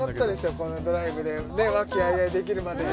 このドライブで和気あいあいできるまでね